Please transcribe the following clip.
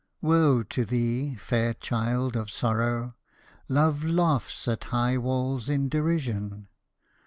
Woe to thee, fair child of sprrow ! Love laughs at high walls in derision.